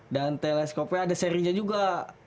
dan teleskopnya ada serinya juga